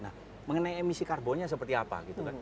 nah mengenai emisi karbonnya seperti apa gitu kan